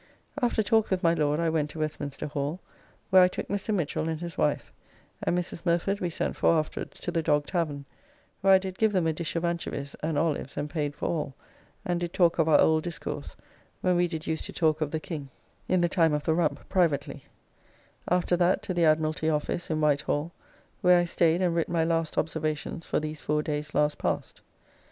After talk with my Lord I went to Westminster Hall, where I took Mr. Michell and his wife, and Mrs. Murford we sent for afterwards, to the Dog Tavern, where I did give them a dish of anchovies and olives and paid for all, and did talk of our old discourse when we did use to talk of the King, in the time of the Rump, privately; after that to the Admiralty Office, in White Hall, where I staid and writ my last observations for these four days last past.